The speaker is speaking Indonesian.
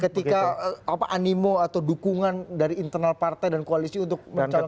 ketika apa animo atau dukungan dari internal partai dan koalisi untuk mencalon pak prabowo